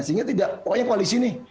sehingga tidak pokoknya koalisi nih